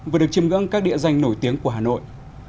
vừa được chìm ngưỡng các địa danh nổi tiếng của hà nội